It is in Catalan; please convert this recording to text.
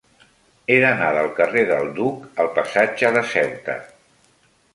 He d'anar del carrer del Duc al passatge de Ceuta.